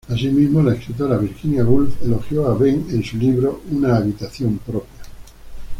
Asimismo, la escritora Virginia Woolf elogió a Behn en su libro "Una habitación propia".